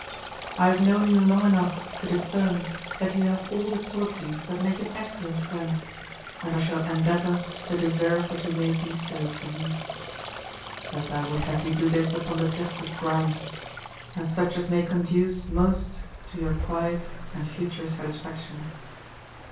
I have known you long enough to discern that you have all the qualities that make an excellent friend, and I shall endeavour to deserve that you may be so to me; but I would have you do this upon the justest grounds, and such as may conduce most to your quiet and future satisfaction.